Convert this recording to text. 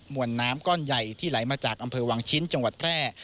วนน้ำก้อนใหญ่ที่ไหลมาจากอำเภอวังชิ้นจังหวัดแพร่